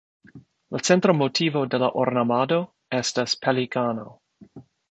La centra motivo de la ornamado estas pelikano.